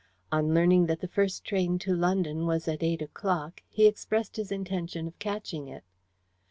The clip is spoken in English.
On learning that the first train to London was at eight o'clock, he expressed his intention of catching it.